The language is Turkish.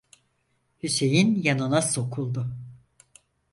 Hüseyin yanına sokuldu.